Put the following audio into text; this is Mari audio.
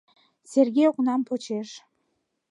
Серге окнам почеш.